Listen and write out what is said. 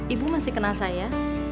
ibu masih kenal saya